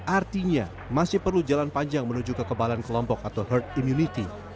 artinya masih perlu jalan panjang menuju kekebalan kelompok atau herd immunity